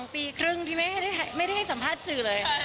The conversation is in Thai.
๒ปีครึ่งที่ไม่ได้ให้สัมภาษณ์สื่อเลย